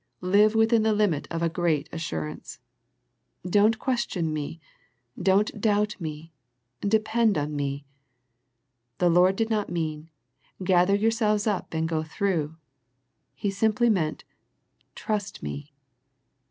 Live within the limit of a great assurance. Don't question Me, don't doubt Me, depend on Me. The Lord did not mean. Gather yourselves up and go through. He simply meant, Trust Me.